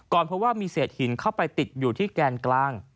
พบว่ามีเศษหินเข้าไปติดอยู่ที่แกนกลาง